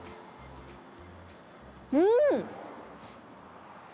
うん！